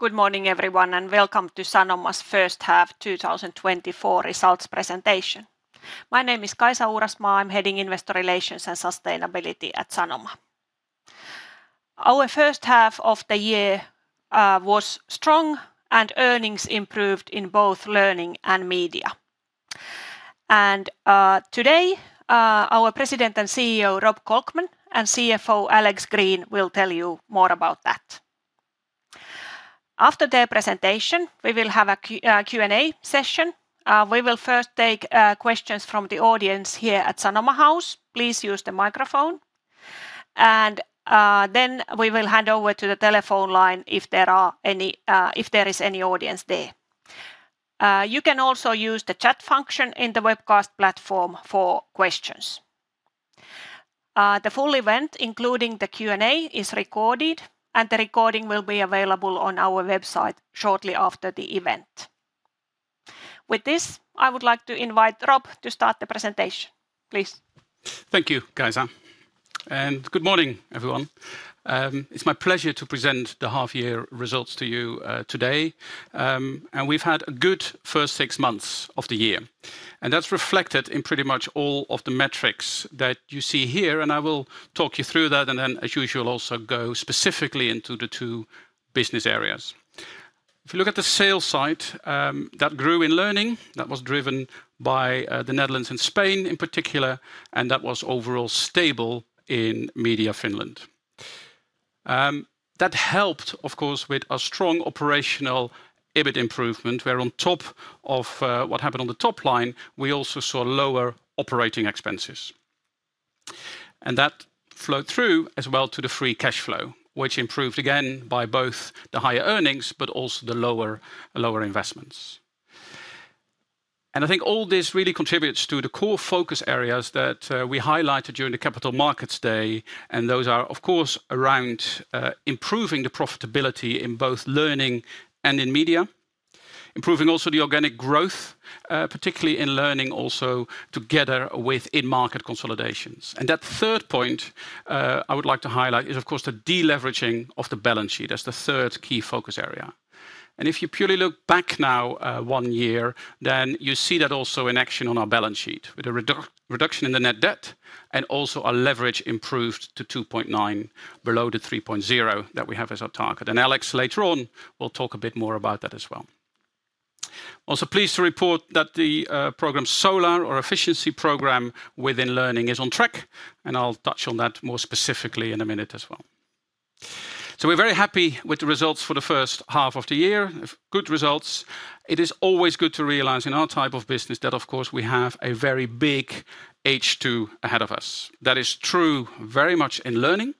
Good morning, everyone, and welcome to Sanoma's first half, 2024 results presentation. My name is Kaisa Uurasmaa. I'm heading Investor Relations and Sustainability at Sanoma. Our first half of the year was strong, and earnings improved in both Learning and Media. Today, our President and CEO, Rob Kolkman, and CFO, Alex Green, will tell you more about that. After their presentation, we will have a Q&A session. We will first take questions from the audience here at Sanoma House. Please use the microphone. Then we will hand over to the telephone line if there are any, if there is any audience there. You can also use the chat function in the webcast platform for questions. The full event, including the Q&A, is recorded, and the recording will be available on our website shortly after the event. With this, I would like to invite Rob to start the presentation, please. Thank you, Kaisa, and good morning, everyone. It's my pleasure to present the half-year results to you, today. We've had a good first six months of the year, and that's reflected in pretty much all of the metrics that you see here, and I will talk you through that, and then, as usual, also go specifically into the two business areas. If you look at the sales side, that grew in Learning, that was driven by the Netherlands and Spain in particular, and that was overall stable in Media Finland. That helped, of course, with a strong operational EBIT improvement, where on top of what happened on the top line, we also saw lower operating expenses. That flowed through as well to the free cash flow, which improved again by both the higher earnings but also the lower investments. I think all this really contributes to the core focus areas that we highlighted during the Capital Markets Day, and those are, of course, around improving the profitability in both Learning and in Media. Improving also the organic growth, particularly in Learning, also together with in-market consolidations. That third point I would like to highlight is, of course, the de-leveraging of the balance sheet. That's the third key focus area. If you purely look back now one year, then you see that also in action on our balance sheet, with a reduction in the net debt and also our leverage improved to 2.9, below the 3.0 that we have as our target. And Alex, later on, will talk a bit more about that as well. Also pleased to report that the program Solar or efficiency program within Learning is on track, and I'll touch on that more specifically in a minute as well. So we're very happy with the results for the first half of the year. We have good results. It is always good to realize in our type of business that, of course, we have a very big H2 ahead of us. That is true very much in Learning,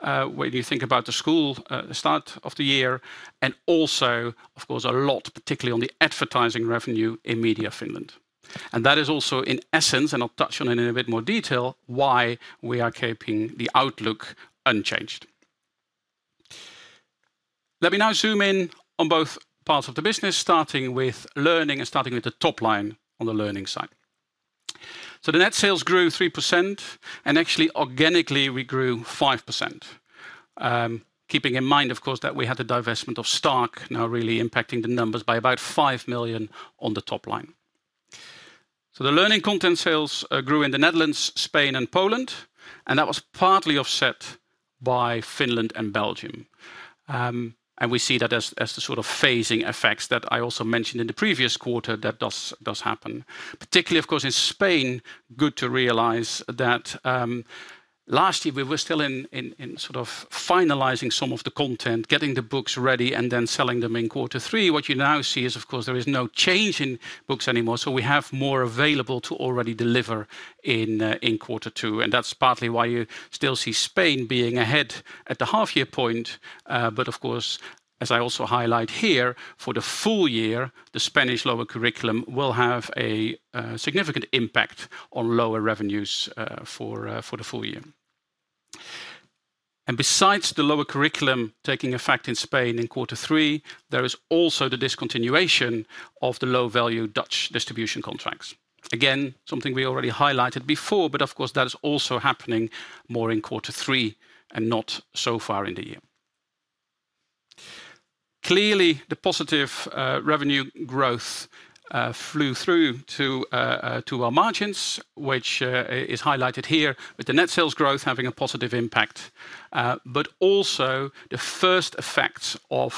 where you think about the school start of the year, and also, of course, a lot, particularly on the advertising revenue in Media Finland. And that is also, in essence, and I'll touch on it in a bit more detail, why we are keeping the outlook unchanged. Let me now zoom in on both parts of the business, starting with Learning and starting with the top line on the Learning side. So the net sales grew 3%, and actually organically, we grew 5%. Keeping in mind, of course, that we had the divestment of Stark now really impacting the numbers by about 5 million on the top line. So the Learning content sales grew in the Netherlands, Spain, and Poland, and that was partly offset by Finland and Belgium. And we see that as the sort of phasing effects that I also mentioned in the previous quarter that does happen. Particularly, of course, in Spain, good to realize that last year we were still in sort of finalizing some of the content, getting the books ready, and then selling them in quarter three. What you now see is, of course, there is no change in books anymore, so we have more available to already deliver in quarter two, and that's partly why you still see Spain being ahead at the half-year point. But of course, as I also highlight here, for the full year, the Spanish lower curriculum will have a significant impact on lower revenues, for the full year. Besides the lower curriculum taking effect in Spain in quarter three, there is also the discontinuation of the low-value Dutch distribution contracts. Again, something we already highlighted before, but of course, that is also happening more in quarter three and not so far in the year. Clearly, the positive revenue growth flew through to our margins, which is highlighted here with the net sales growth having a positive impact, but also the first effects of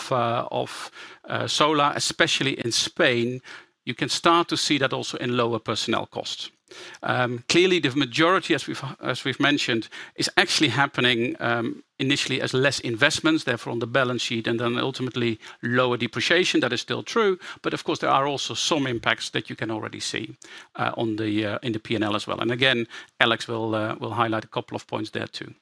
Solar, especially in Spain. You can start to see that also in lower personnel costs. Clearly, the majority, as we've mentioned, is actually happening initially as less investments, therefore on the balance sheet, and then ultimately lower depreciation. That is still true, but of course, there are also some impacts that you can already see in the P&L as well. And again, Alex will highlight a couple of points there, too.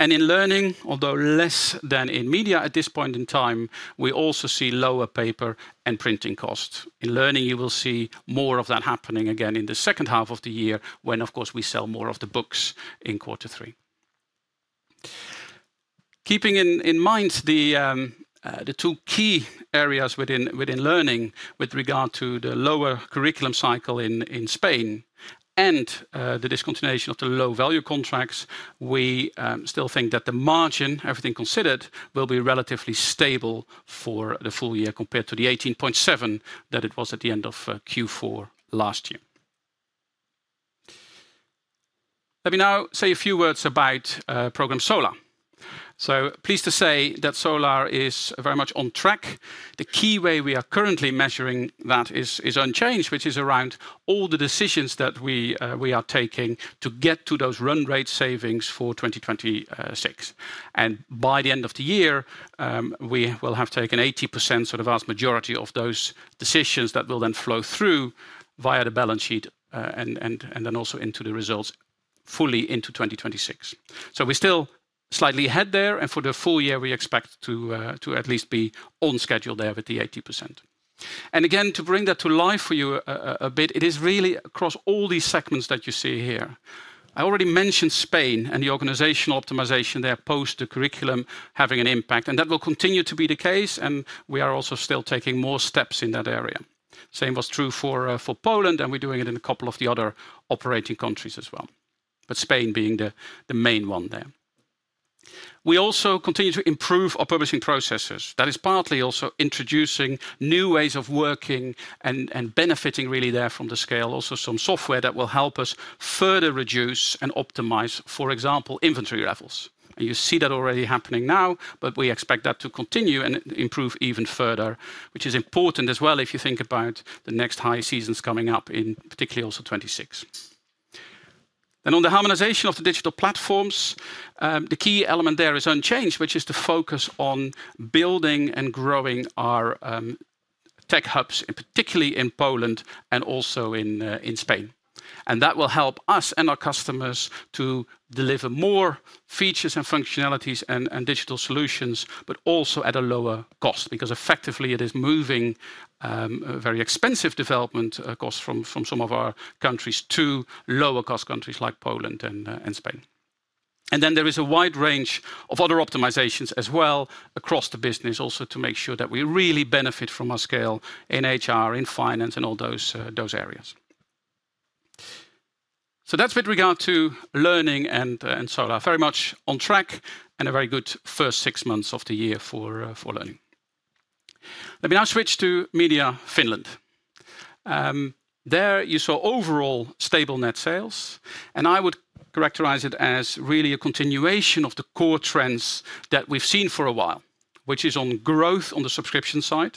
And in Learning, although less than in Media at this point in time, we also see lower paper and printing costs. In Learning, you will see more of that happening again in the second half of the year, when, of course, we sell more of the books in quarter three. Keeping in mind the two key areas within Learning, with regard to the lower curriculum cycle in Spain and the discontinuation of the low-value contracts, we still think that the margin, everything considered, will be relatively stable for the full year compared to the 18.7% that it was at the end of Q4 last year. Let me now say a few words about Program Solar. So pleased to say that Solar is very much on track. The key way we are currently measuring that is unchanged, which is around all the decisions that we are taking to get to those run rate savings for 2026. And by the end of the year, we will have taken 80%, so the vast majority of those decisions that will then flow through via the balance sheet, and then also into the results fully into 2026. So we're still slightly ahead there, and for the full year, we expect to at least be on schedule there with the 80%. And again, to bring that to life for you a bit, it is really across all these segments that you see here. I already mentioned Spain and the organizational optimization there, post the curriculum having an impact, and that will continue to be the case, and we are also still taking more steps in that area. Same was true for Poland, and we're doing it in a couple of the other operating countries as well, but Spain being the main one there. We also continue to improve our publishing processes. That is partly also introducing new ways of working and benefiting really there from the scale. Also, some software that will help us further reduce and optimize, for example, inventory levels. And you see that already happening now, but we expect that to continue and improve even further, which is important as well if you think about the next high seasons coming up in particularly also 2026. On the harmonization of the digital platforms, the key element there is unchanged, which is to focus on building and growing our tech hubs, and particularly in Poland and also in Spain. That will help us and our customers to deliver more features and functionalities and digital solutions, but also at a lower cost, because effectively it is moving very expensive development costs from some of our countries to lower-cost countries like Poland and Spain. Then there is a wide range of other optimizations as well across the business, also to make sure that we really benefit from our scale in HR, in finance, and all those areas. That's with regard to Learning and Solar. Very much on track, and a very good first six months of the year for Learning. Let me now switch to Media Finland. There, you saw overall stable net sales, and I would characterize it as really a continuation of the core trends that we've seen for a while, which is on growth on the subscription side.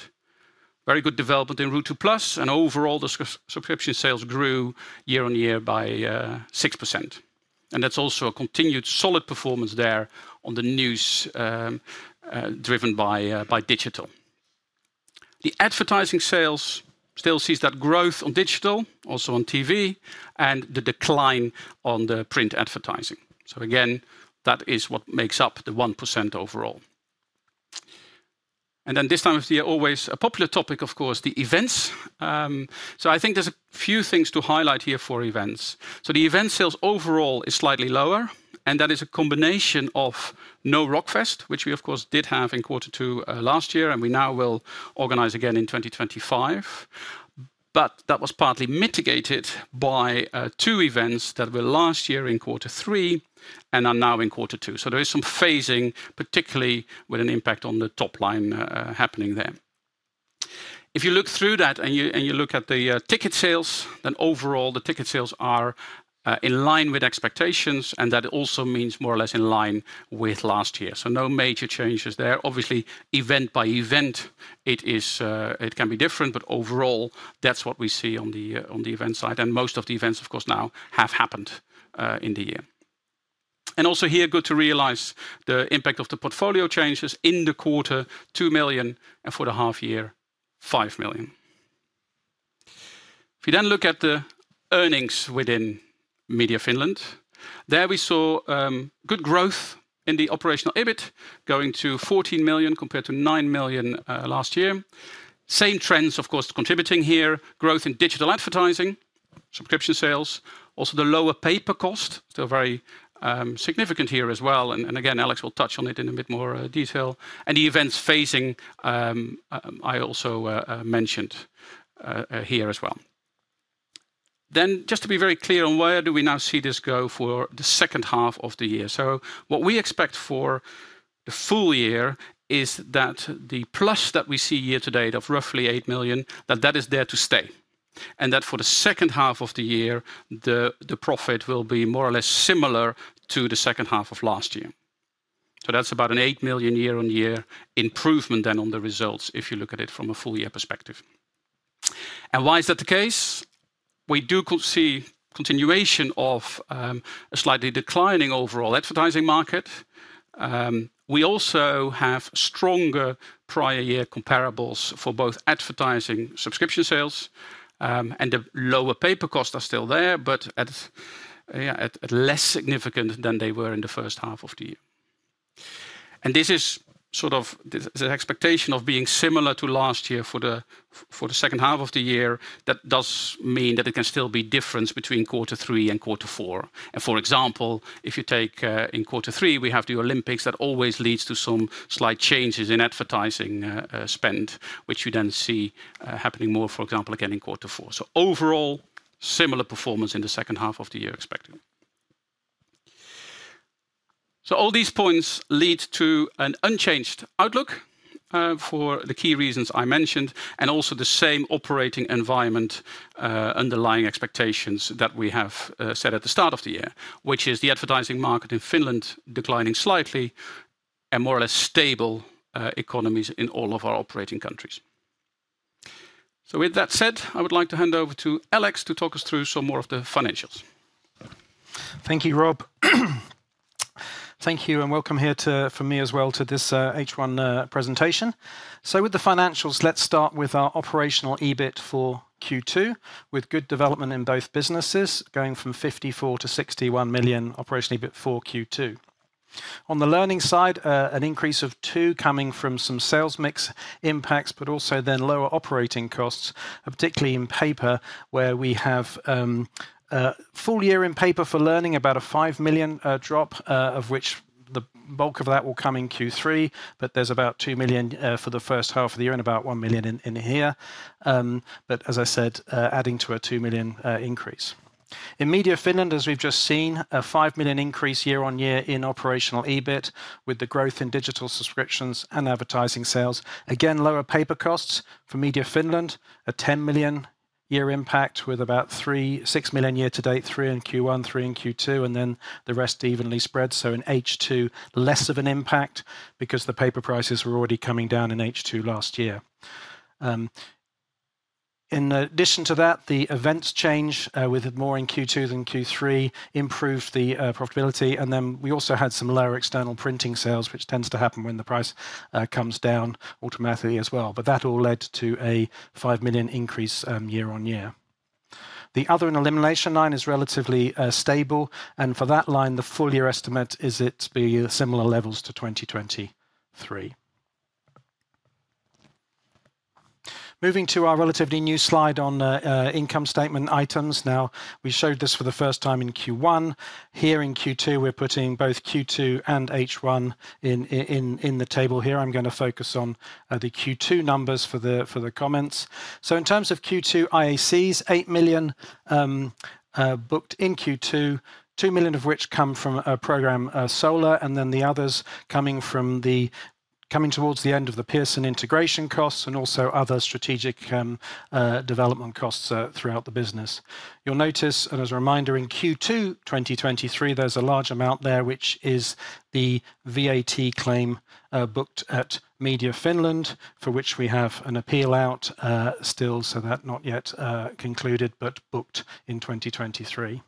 Very good development in Ruutu+, and overall, the subscription sales grew year on year by 6%. And that's also a continued solid performance there on the news, driven by digital. The advertising sales still sees that growth on digital, also on TV, and the decline on the print advertising. So again, that is what makes up the 1% overall. And then this time of the year, always a popular topic, of course, the events. So I think there's a few things to highlight here for events. So the event sales overall is slightly lower, and that is a combination of no Rockfest, which we, of course, did have in quarter two last year, and we now will organize again in 2025. But that was partly mitigated by two events that were last year in quarter three and are now in quarter two. So there is some phasing, particularly with an impact on the top line happening there. If you look through that, and you look at the ticket sales, then overall, the ticket sales are in line with expectations, and that also means more or less in line with last year. So no major changes there. Obviously, event by event, it is, it can be different, but overall, that's what we see on the event side. Most of the events, of course, now have happened in the year. Also here, good to realize the impact of the portfolio changes in the quarter, 2 million, and for the half year, 5 million. If you then look at the earnings within Media Finland, there we saw good growth in the operational EBIT going to 14 million compared to 9 million last year. Same trends, of course, contributing here, growth in digital advertising, subscription sales, also the lower paper cost, so very significant here as well. And again, Alex will touch on it in a bit more detail. And the events phasing, I also mentioned here as well. Then just to be very clear on where do we now see this go for the second half of the year? So what we expect for the full year is that the plus that we see year to date of roughly 8 million, that that is there to stay, and that for the second half of the year, the profit will be more or less similar to the second half of last year. So that's about an 8 million year-on-year improvement then on the results, if you look at it from a full year perspective. And why is that the case? We do see continuation of a slightly declining overall advertising market. We also have stronger prior year comparables for both advertising subscription sales, and the lower paper costs are still there, but at less significant than they were in the first half of the year. This is sort of the expectation of being similar to last year for the second half of the year. That does mean that there can still be difference between quarter three and quarter four. For example, if you take in quarter three, we have the Olympics, that always leads to some slight changes in advertising spend, which you then see happening more, for example, again, in quarter four. Overall, similar performance in the second half of the year expected. All these points lead to an unchanged outlook for the key reasons I mentioned, and also the same operating environment underlying expectations that we have set at the start of the year, which is the advertising market in Finland declining slightly, and more or less stable economies in all of our operating countries. With that said, I would like to hand over to Alex to talk us through some more of the financials. Thank you, Rob. Thank you, and welcome here to, from me as well, to this H1 presentation. So with the financials, let's start with our Operational EBIT for Q2, with good development in both businesses, going from 54 million to 61 million Operational EBIT for Q2. On the Learning side, an increase of 2 coming from some sales mix impacts, but also then lower operating costs, particularly in paper, where we have a full year in paper for Learning, about a 5 million drop, of which the bulk of that will come in Q3, but there's about 2 million for the first half of the year and about 1 million in here. But as I said, adding to a 2 million increase. In Media Finland, as we've just seen, a 5 million increase year-over-year in operational EBIT, with the growth in digital subscriptions and advertising sales. Again, lower paper costs for Media Finland, a 10 million year impact with about 3...6 million year-to-date, 3 in Q1, 3 in Q2, and then the rest evenly spread, so in H2, less of an impact because the paper prices were already coming down in H2 last year. In addition to that, the events change, with more in Q2 than Q3, improved the profitability, and then we also had some lower external printing sales, which tends to happen when the price comes down automatically as well. But that all led to a 5 million increase, year-over-year. The other and elimination line is relatively stable, and for that line, the full year estimate is to be similar levels to 2023. Moving to our relatively new slide on income statement items. Now, we showed this for the first time in Q1. Here in Q2, we're putting both Q2 and H1 in the table here. I'm gonna focus on the Q2 numbers for the comments. So in terms of Q2 IACs, 8 million booked in Q2, 2 million of which come from Program Solar, and then the others coming towards the end of the Pearson integration costs and also other strategic development costs throughout the business. You'll notice, and as a reminder, in Q2 2023, there's a large amount there, which is the VAT claim, booked at Media Finland, for which we have an appeal out, still, so that not yet concluded, but booked in 2023.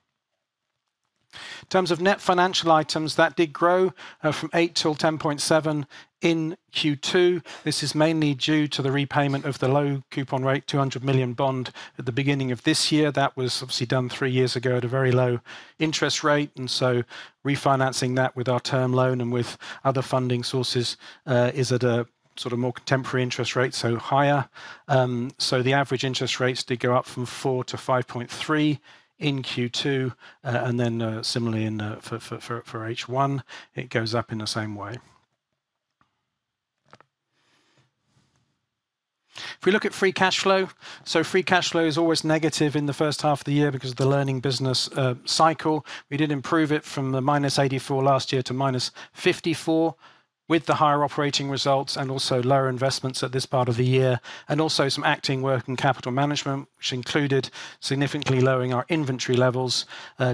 In terms of net financial items, that did grow from 8 till 10.7 in Q2. This is mainly due to the repayment of the low-coupon-rate 200 million bond at the beginning of this year. That was obviously done 3 years ago at a very low interest rate, and so refinancing that with our term loan and with other funding sources is at a sort of more contemporary interest rate, so higher. So the average interest rates did go up from 4% to 5.3% in Q2, and then, similarly in, for H1, it goes up in the same way. If we look at free cash flow, so free cash flow is always negative in the first half of the year because of the Learning business cycle. We did improve it from -84 million last year to -54 million, with the higher operating results and also lower investments at this part of the year, and also some active working capital management, which included significantly lowering our inventory levels.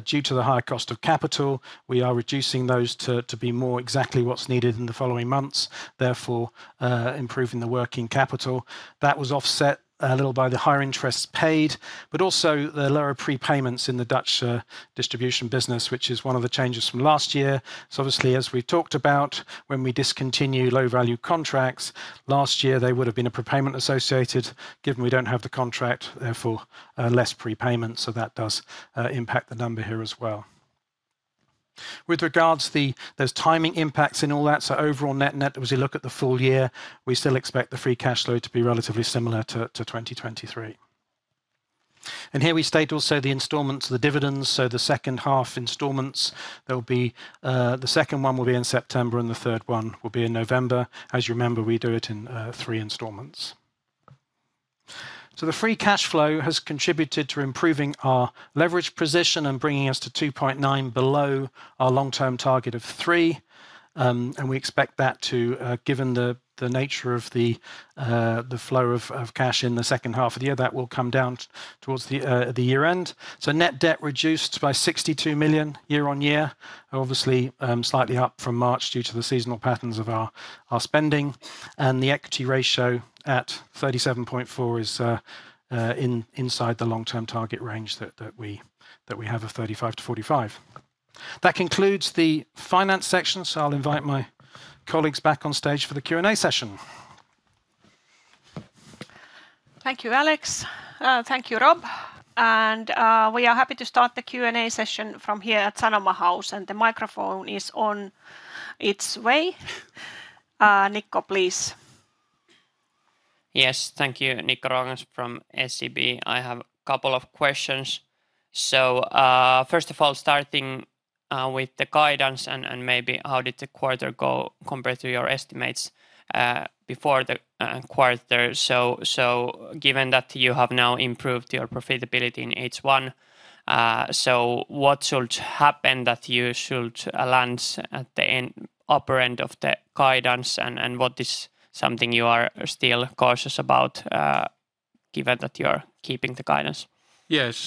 Due to the high cost of capital, we are reducing those to be more exactly what's needed in the following months, therefore, improving the working capital. That was offset a little by the higher interests paid, but also the lower prepayments in the Dutch distribution business, which is one of the changes from last year. So obviously, as we talked about, when we discontinue low-value contracts, last year, they would have been a prepayment associated. Given we don't have the contract, therefore, less prepayment, so that does impact the number here as well. With regards to the timing impacts in all that, so overall net net, as you look at the full year, we still expect the free cash flow to be relatively similar to 2023. And here we state also the installments, the dividends, so the second half installments, there will be the second one will be in September, and the third one will be in November. As you remember, we do it in three installments. So the free cash flow has contributed to improving our leverage position and bringing us to 2.9 below our long-term target of 3. And we expect that to, given the nature of the flow of cash in the second half of the year, that will come down towards the year end. So net debt reduced by 62 million year-on-year, obviously, slightly up from March due to the seasonal patterns of our spending. And the equity ratio at 37.4 is inside the long-term target range that we have 35-45. That concludes the finance section, so I'll invite my colleagues back on stage for the Q&A session. Thank you, Alex. Thank you, Rob. We are happy to start the Q&A session from here at Sanoma House, and the microphone is on its way. Nicklas, please. Yes, thank you. Nicklas Fhärm from SEB. I have a couple of questions. So, first of all, starting with the guidance and maybe how did the quarter go compared to your estimates before the quarter? So, given that you have now improved your profitability in H1, so what should happen that you should land at the end, upper end of the guidance, and what is something you are still cautious about, given that you are keeping the guidance? Yes.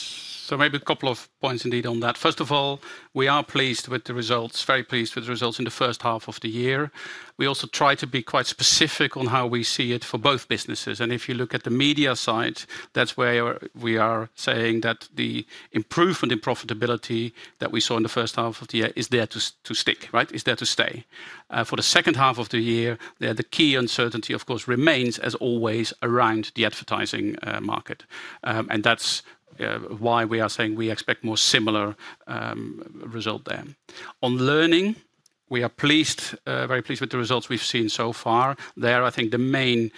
So maybe a couple of points indeed on that. First of all, we are pleased with the results, very pleased with the results in the first half of the year. We also try to be quite specific on how we see it for both businesses, and if you look at the Media side, that's where we are saying that the improvement in profitability that we saw in the first half of the year is there to stick, right? It's there to stay. For the second half of the year, the key uncertainty, of course, remains, as always, around the advertising market. And that's why we are saying we expect more similar result there. On Learning, we are pleased, very pleased with the results we've seen so far. There, I think the main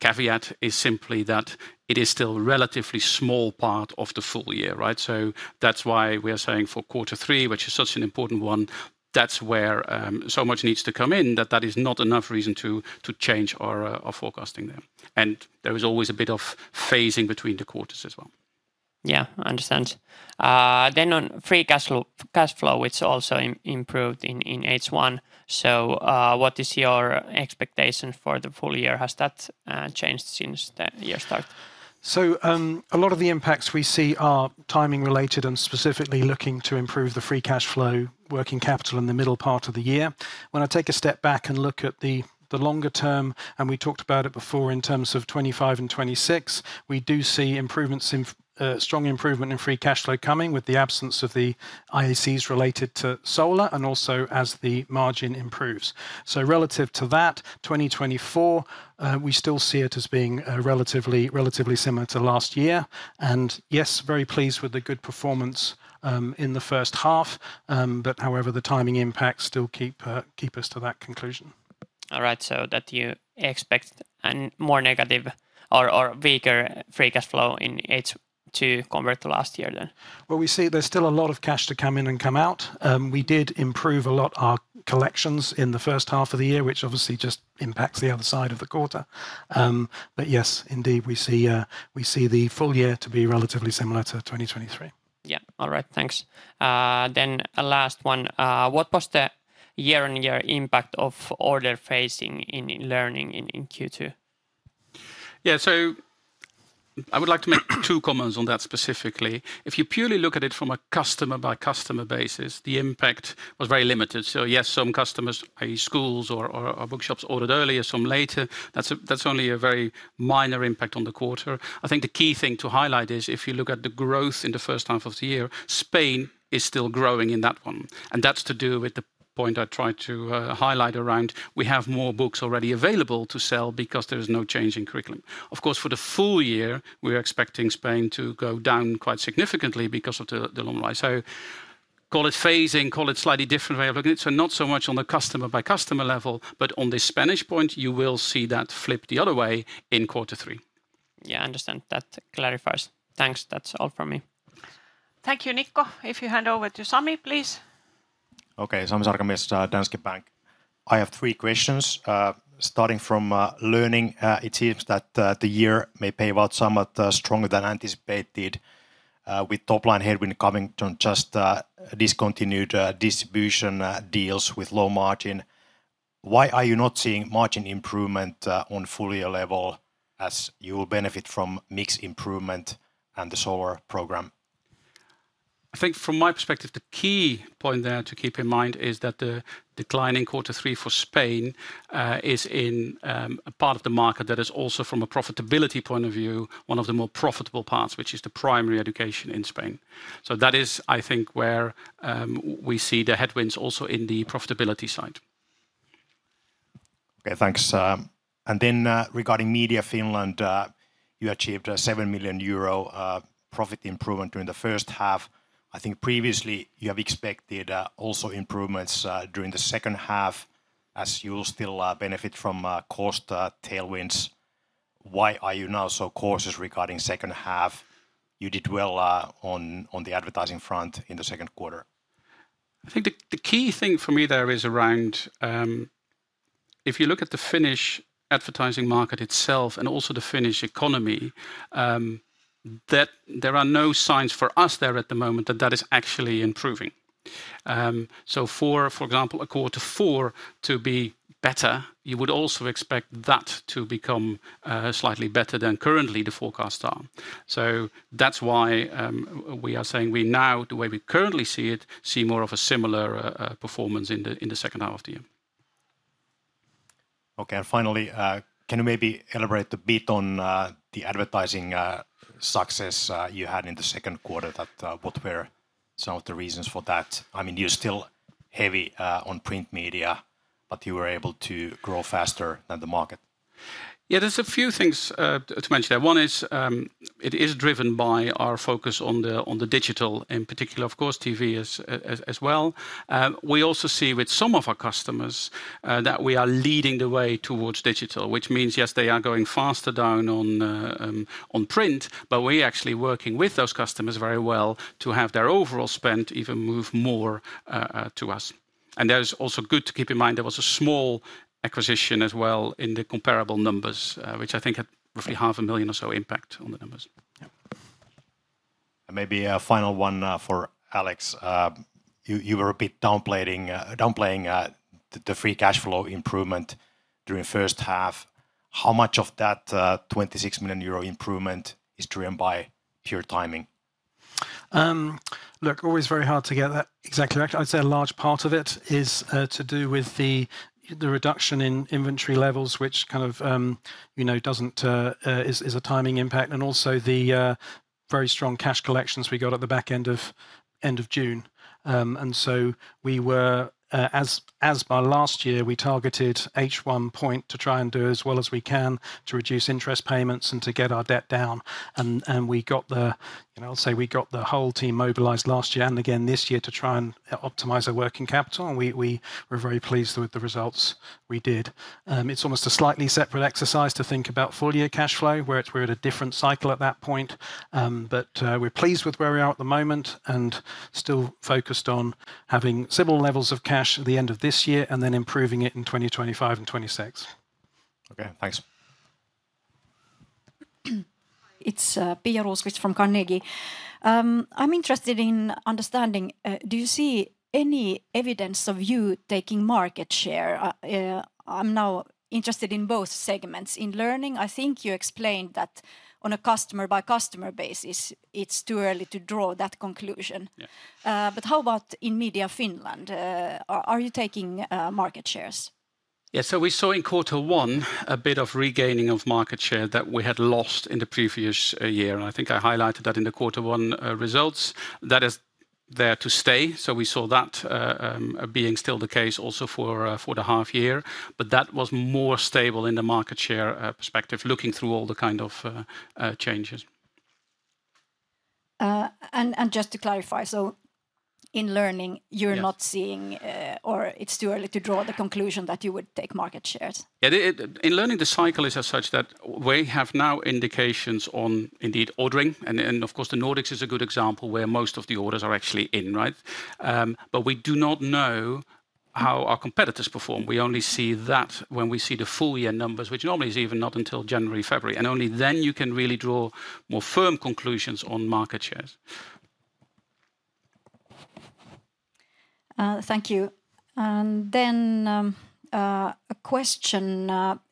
caveat is simply that it is still a relatively small part of the full year, right? So that's why we are saying for Quarter Three, which is such an important one, that's where so much needs to come in, that that is not enough reason to change our forecasting there. And there is always a bit of phasing between the quarters as well. Yeah, understand. Then on free cash flow, it's also improved in H1, so what is your expectation for the full year? Has that changed since the year start? So, a lot of the impacts we see are timing related and specifically looking to improve the free cash flow working capital in the middle part of the year. When I take a step back and look at the longer term, and we talked about it before in terms of 2025 and 2026, we do see strong improvement in free cash flow coming with the absence of the IACs related to Solar, and also as the margin improves. So relative to that, 2024, we still see it as being relatively similar to last year. And yes, very pleased with the good performance in the first half. But however, the timing impacts still keep us to that conclusion. All right, so do you expect a more negative or weaker free cash flow in H2 compared to last year, then? Well, we see there's still a lot of cash to come in and come out. We did improve a lot our collections in the first half of the year, which obviously just impacts the other side of the quarter. But yes, indeed, we see, we see the full year to be relatively similar to 2023. Yeah. All right, thanks. Then a last one: What was the year-on-year impact of order phasing in Learning in Q2? Yeah, so I would like to make two comments on that specifically. If you purely look at it from a customer-by-customer basis, the impact was very limited. So yes, some customers, maybe schools or, or, or bookshops, ordered earlier, some later. That's only a very minor impact on the quarter. I think the key thing to highlight is, if you look at the growth in the first half of the year, Spain is still growing in that one, and that's to do with the point I tried to highlight around we have more books already available to sell because there is no change in curriculum. Of course, for the full year, we are expecting Spain to go down quite significantly because of the long life. So call it phasing, call it slightly different way of looking at it. Not so much on the customer-by-customer level, but on the Spanish point, you will see that flip the other way in Quarter Three. Yeah, I understand. That clarifies. Thanks. That's all for me. Thank you, Nikko. If you hand over to Sami, please. Okay, Sami Sarkamies, Danske Bank. I have three questions. Starting from Learning, it seems that the year may play out somewhat stronger than anticipated, with top-line headwind coming from just discontinued distribution deals with low margin. Why are you not seeing margin improvement on full year level as you will benefit from mix improvement and the Solar program? I think from my perspective, the key point there to keep in mind is that the decline in Quarter Three for Spain is in a part of the market that is also, from a profitability point of view, one of the more profitable parts, which is the primary education in Spain. So that is, I think, where we see the headwinds also in the profitability side. Okay, thanks. And then, regarding Media Finland, you achieved a 7 million euro profit improvement during the first half. I think previously you have expected also improvements during the second half, as you will still benefit from cost tailwinds. Why are you now so cautious regarding second half? You did well on the advertising front in the second quarter. I think the key thing for me there is around if you look at the Finnish advertising market itself, and also the Finnish economy, that there are no signs for us there at the moment that that is actually improving. So for example, a Quarter Four to be better, you would also expect that to become slightly better than currently the forecast are. So that's why we are saying we now, the way we currently see it, see more of a similar performance in the second half of the year. Okay, and finally, can you maybe elaborate a bit on the advertising success you had in the second quarter? That, what were some of the reasons for that? I mean, you're still heavy on print Media, but you were able to grow faster than the market. Yeah, there's a few things to mention there. One is, it is driven by our focus on the digital in particular, of course, TV as well. We also see with some of our customers that we are leading the way towards digital, which means, yes, they are going faster down on print, but we're actually working with those customers very well to have their overall spend even move more to us, and that is also good to keep in mind. There was a small acquisition as well in the comparable numbers, which I think had roughly 500,000 impact on the numbers. Yeah. And maybe a final one for Alex. You were a bit downplaying the free cash flow improvement during the first half. How much of that 26 million euro improvement is driven by pure timing? Look, always very hard to get that exactly right. I'd say a large part of it is to do with the reduction in inventory levels, which kind of, you know, is a timing impact, and also the very strong cash collections we got at the back end of June. And so we were, as by last year, we targeted H1 to try and do as well as we can to reduce interest payments and to get our debt down, and we got the, you know, I'll say we got the whole team mobilized last year and again this year to try and optimize our working capital, and we were very pleased with the results we did. It's almost a slightly separate exercise to think about full-year cash flow, where we're at a different cycle at that point. But we're pleased with where we are at the moment, and still focused on having similar levels of cash at the end of this year, and then improving it in 2025 and 2026. Okay, thanks. It's Pia Rosqvist from Carnegie. I'm interested in understanding, do you see any evidence of you taking market share? I'm now interested in both segments. In Learning, I think you explained that on a customer-by-customer basis, it's too early to draw that conclusion. Yeah. But how about in Media Finland? Are you taking market shares? Yeah, so we saw in quarter one a bit of regaining of market share that we had lost in the previous year, and I think I highlighted that in the quarter one results. That is there to stay, so we saw that being still the case also for the half year. But that was more stable in the market share perspective, looking through all the kind of changes. Just to clarify, so in Learning- Yes... you're not seeing, or it's too early to draw the conclusion that you would take market shares? Yeah, in Learning, the cycle is as such that we have now indications on indeed ordering, and of course, the Nordics is a good example, where most of the orders are actually in, right? But we do not know how our competitors perform. We only see that when we see the full year numbers, which normally is even not until January, February, and only then you can really draw more firm conclusions on market shares. Thank you. And then, a question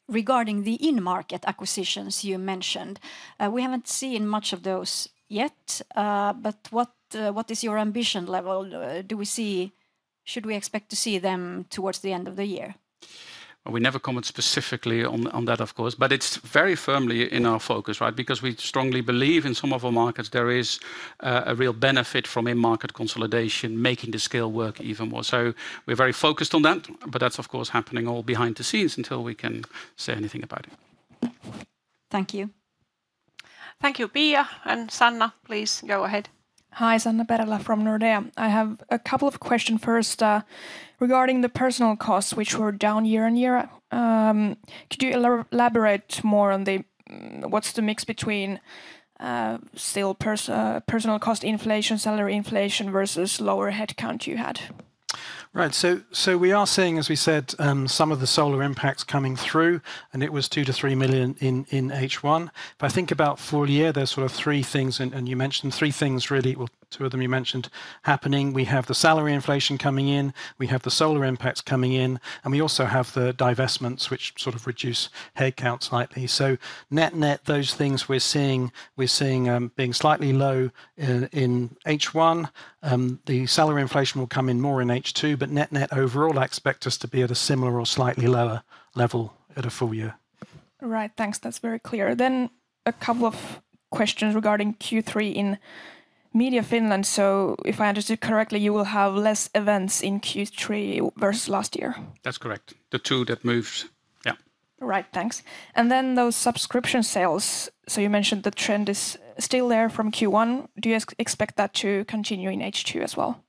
regarding the in-market acquisitions you mentioned. We haven't seen much of those yet, but what is your ambition level? Do we see... Should we expect to see them towards the end of the year? Well, we never comment specifically on, on that, of course, but it's very firmly in our focus, right? Because we strongly believe in some of our markets, there is a real benefit from in-market consolidation, making the scale work even more. So we're very focused on that, but that's of course, happening all behind the scenes until we can say anything about it. Thank you. Thank you, Pia. Sanna, please go ahead. Hi, Sanna Perälä from Nordea. I have a couple of question. First, regarding the personnel costs, which were down year-over-year. Could you elaborate more on the, what's the mix between, still personnel cost inflation, salary inflation, versus lower headcount you had? Right. So we are seeing, as we said, some of the Solar impacts coming through, and it was 2-3 million in H1. But I think about full year, there's sort of three things, and you mentioned three things really... well, two of them you mentioned happening. We have the salary inflation coming in, we have the Solar impacts coming in, and we also have the divestments, which sort of reduce headcount slightly. So net-net, those things we're seeing, being slightly low in H1. The salary inflation will come in more in H2, but net-net overall, I expect us to be at a similar or slightly lower level at a full year. Right. Thanks. That's very clear. Then, a couple of questions regarding Q3 in Media Finland. So if I understood correctly, you will have less events in Q3 versus last year? That's correct. The two that moved. Yeah. Right. Thanks. And then those subscription sales, so you mentioned the trend is still there from Q1. Do you expect that to continue in H2 as well?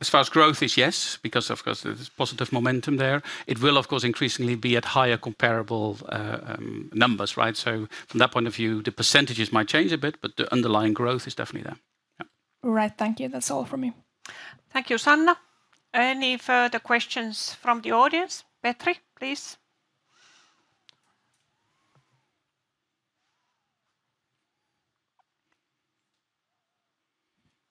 As far as growth is, yes, because of course, there's positive momentum there. It will, of course, increasingly be at higher comparable numbers, right? So from that point of view, the percentages might change a bit, but the underlying growth is definitely there. Yeah. All right. Thank you. That's all from me. Thank you, Sanna. Any further questions from the audience? Petri, please.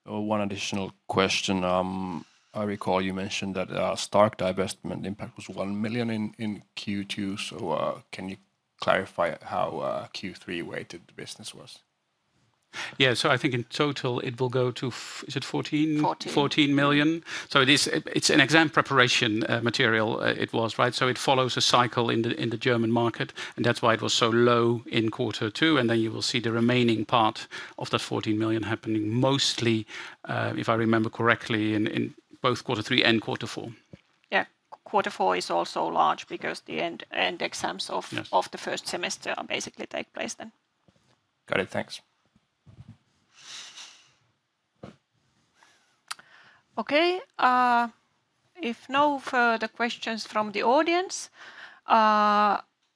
Oh, one additional question. I recall you mentioned that Stark divestment impact was 1 million in Q2, so can you clarify how Q3 weighted the business was? Yeah, so I think in total it will go to, is it 14? Fourteen. 14 million. So it is... it's an exam preparation material, it was, right? So it follows a cycle in the German market, and that's why it was so low in quarter two, and then you will see the remaining part of the 14 million happening mostly, if I remember correctly, in both quarter three and quarter four. Yeah. Quarter four is also large, because the end exams of- Yes... of the first semester are basically take place then. Got it. Thanks. Okay, if no further questions from the audience,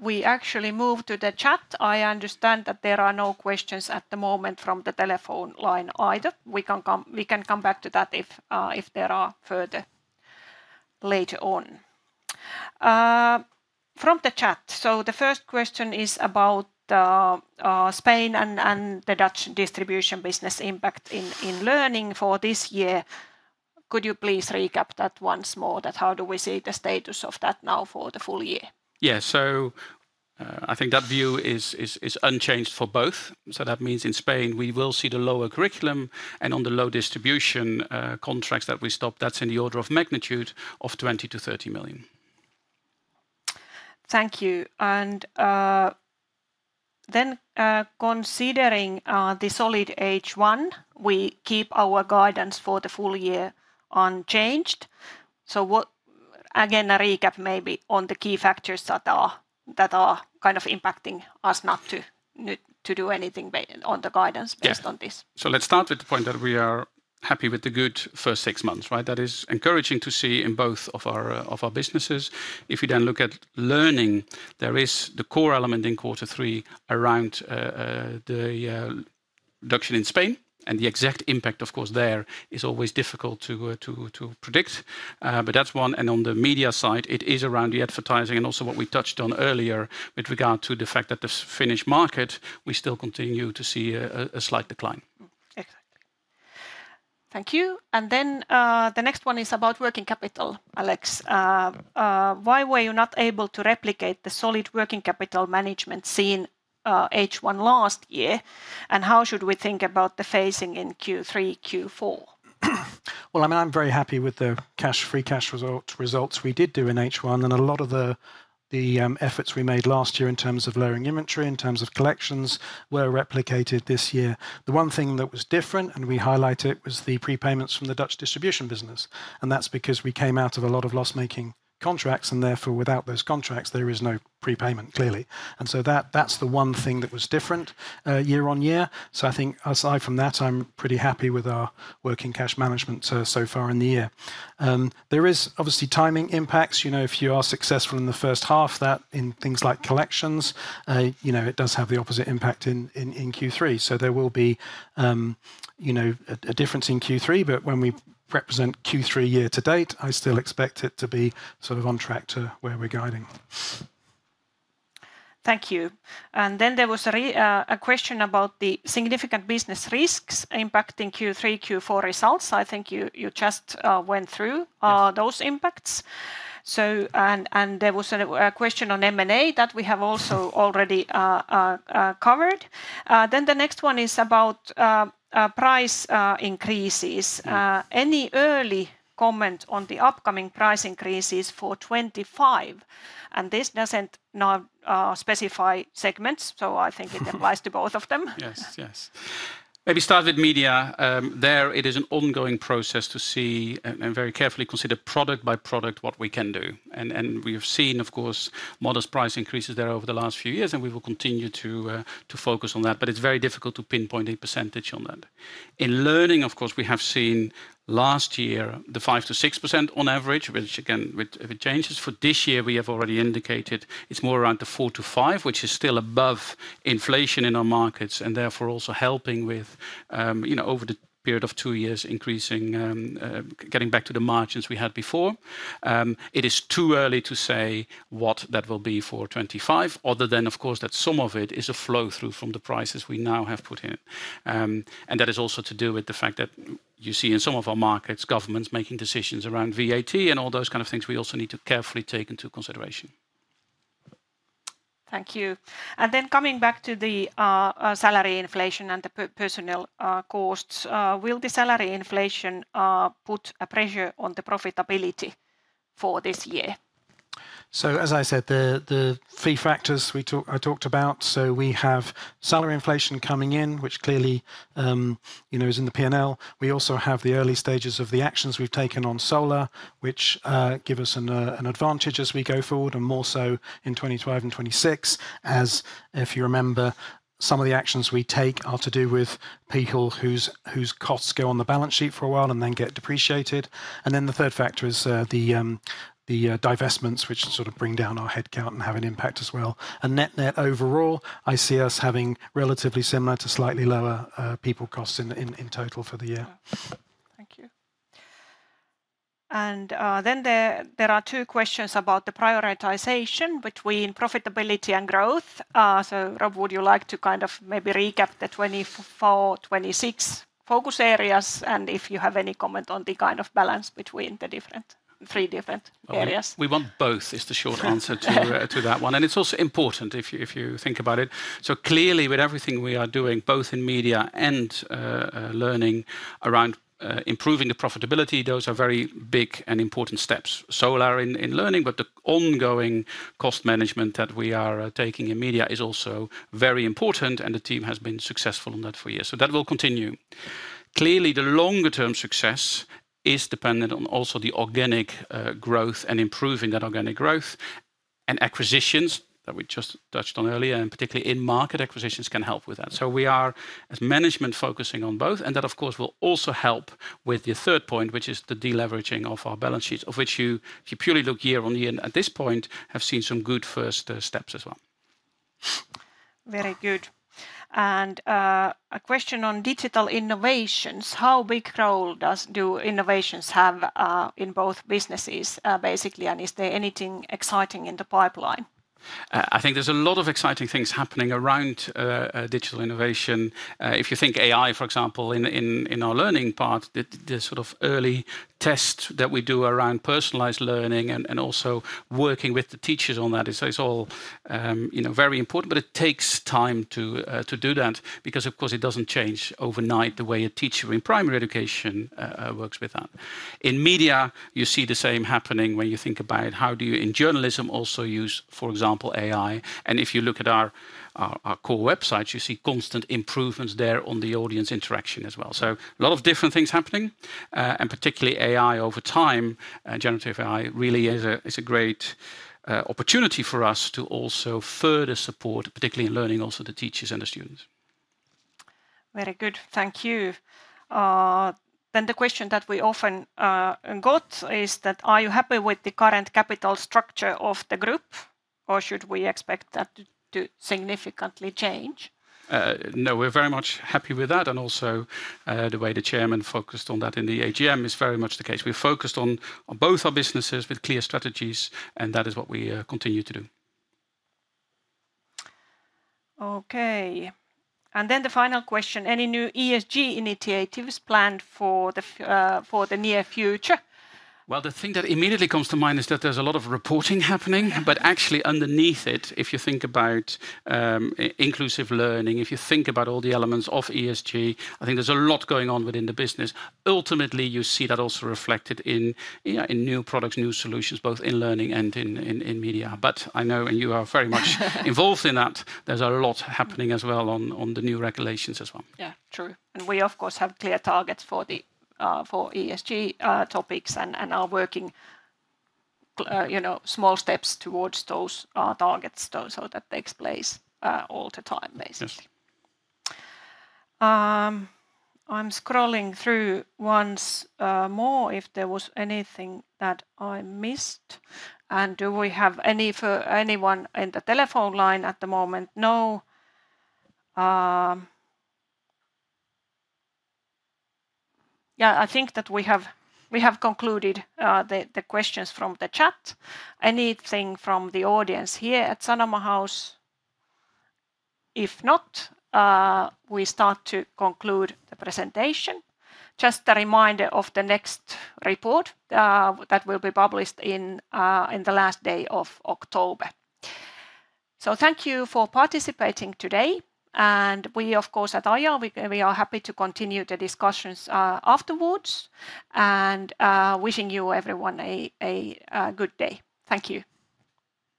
we actually move to the chat. I understand that there are no questions at the moment from the telephone line either. We can come, we can come back to that if there are further later on. From the chat, so the first question is about Spain and the Dutch distribution business impact in Learning for this year. Could you please recap that once more, that how do we see the status of that now for the full year? Yeah. So, I think that view is unchanged for both. So that means in Spain, we will see the lower curriculum, and on the low distribution contracts that we stopped, that's in the order of magnitude of 20 million-30 million. Thank you. Considering the solid H1, we keep our guidance for the full year unchanged. Again, a recap maybe on the key factors that are kind of impacting us not to do anything back on the guidance- Yeah... based on this. So let's start with the point that we are happy with the good first six months, right? That is encouraging to see in both of our, of our businesses. If you then look at Learning, there is the core element in quarter three around, the, reduction in Spain, and the exact impact, of course, there is always difficult to, to predict. But that's one, and on the Media side, it is around the advertising, and also what we touched on earlier with regard to the fact that the Spanish market, we still continue to see a slight decline. Exactly. Thank you. And then, the next one is about working capital, Alex. Yeah... why were you not able to replicate the solid working capital management seen, H1 last year, and how should we think about the phasing in Q3, Q4? Well, I mean, I'm very happy with the cash, free cash result, results we did do in H1, and a lot of the, the, efforts we made last year in terms of lowering inventory, in terms of collections, were replicated this year. The one thing that was different, and we highlight it, was the prepayments from the Dutch distribution business, and that's because we came out of a lot of loss-making contracts, and therefore, without those contracts, there is no prepayment, clearly. And so that, that's the one thing that was different, year on year. So I think aside from that, I'm pretty happy with our working cash management so, so far in the year. There is obviously timing impacts. You know, if you are successful in the first half, that in things like collections, you know, it does have the opposite impact in Q3. So there will be, you know, a difference in Q3, but when we represent Q3 year to date, I still expect it to be sort of on track to where we're guiding. Thank you. And then there was a question about the significant business risks impacting Q3, Q4 results. I think you just went through- Yes... those impacts. So, and there was a question on M&A. That we have also already covered. Then the next one is about price increases. Mm. Any early comment on the upcoming price increases for 2025? And this doesn't not specify segments, so I think it applies to both of them. Yes, yes. Maybe start with Media. There it is an ongoing process to see and very carefully consider product by product what we can do. And we have seen, of course, modest price increases there over the last few years, and we will continue to focus on that. But it's very difficult to pinpoint a percentage on that. In Learning, of course, we have seen last year the 5%-6% on average, which again, if it changes for this year, we have already indicated it's more around the 4%-5%, which is still above inflation in our markets, and therefore also helping with you know over the period of two years, increasing, getting back to the margins we had before. It is too early to say what that will be for 2025, other than, of course, that some of it is a flow-through from the prices we now have put in. And that is also to do with the fact that you see in some of our markets, governments making decisions around VAT and all those kind of things we also need to carefully take into consideration. Thank you. Coming back to the salary inflation and the personnel costs, will the salary inflation put a pressure on the profitability for this year? So, as I said, the three factors we talk, I talked about, so we have salary inflation coming in, which clearly, you know, is in the P&L. We also have the early stages of the actions we've taken on Solar, which give us an advantage as we go forward, and more so in 2025 and 2026, as if you remember, some of the actions we take are to do with people whose costs go on the balance sheet for a while and then get depreciated. And then the third factor is the divestments, which sort of bring down our headcount and have an impact as well. And net overall, I see us having relatively similar to slightly lower people costs in total for the year. Thank you. Then there are two questions about the prioritization between profitability and growth. So Rob, would you like to kind of maybe recap the 2024-2026 focus areas? And if you have any comment on the kind of balance between the three different areas. We want both, is the short answer to that one. And it's also important, if you think about it. So clearly, with everything we are doing, both in Media and Learning, around improving the profitability, those are very big and important steps. Solar in Learning, but the ongoing cost management that we are taking in Media is also very important, and the team has been successful in that for years. So that will continue. Clearly, the longer term success is dependent on also the organic growth and improving that organic growth, and acquisitions, that we just touched on earlier, and particularly in-market acquisitions can help with that. So we are, as management, focusing on both, and that, of course, will also help with the third point, which is the deleveraging of our balance sheets, of which you, if you purely look year-on-year, and at this point, have seen some good first steps as well.... Very good. And, a question on digital innovations: how big role do innovations have in both businesses, basically, and is there anything exciting in the pipeline? I think there's a lot of exciting things happening around digital innovation. If you think AI, for example, in our Learning part, the sort of early tests that we do around personalized Learning and also working with the teachers on that. It's all, you know, very important, but it takes time to do that, because, of course, it doesn't change overnight the way a teacher in primary education works with that. In Media, you see the same happening when you think about how do you, in journalism, also use, for example, AI? And if you look at our core websites, you see constant improvements there on the audience interaction as well. A lot of different things happening, and particularly AI over time, generative AI really is a great opportunity for us to also further support, particularly in Learning, also the teachers and the students. Very good, thank you. Then the question that we often got is that, "Are you happy with the current capital structure of the group, or should we expect that to significantly change? No, we're very much happy with that, and also, the way the chairman focused on that in the AGM is very much the case. We're focused on both our businesses with clear strategies, and that is what we continue to do. Okay, and then the final question: "Any new ESG initiatives planned for the near future? Well, the thing that immediately comes to mind is that there's a lot of reporting happening. But actually underneath it, if you think about inclusive Learning, if you think about all the elements of ESG, I think there's a lot going on within the business. Ultimately, you see that also reflected in, yeah, in new products, new solutions, both in Learning and in Media. But I know... and you are very much involved in that. There's a lot happening as well on the new regulations as well. Yeah, true. And we, of course, have clear targets for the, for ESG, topics, and, and are working, you know, small steps towards those, targets, though, so that takes place, all the time, basically. Yes. I'm scrolling through once more if there was anything that I missed. Do we have anyone in the telephone line at the moment? No. Yeah, I think that we have, we have concluded the questions from the chat. Anything from the audience here at Sanoma House? If not, we start to conclude the presentation. Just a reminder of the next report that will be published in the last day of October. Thank you for participating today, and we, of course, at IR, we are happy to continue the discussions afterwards, and wishing you everyone a good day. Thank you.